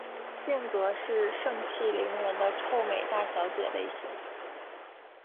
性格是盛气凌人的臭美大小姐类型。